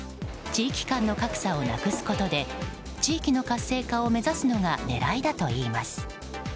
地域間の格差をなくすことで地域の活性化を目指すのが狙いだといいます。